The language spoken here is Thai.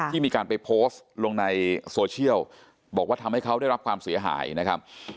ที่มีการไปโพสต์ลงในโซเชียลบอกว่าทำให้เขาได้รับความเสียหายนะครับ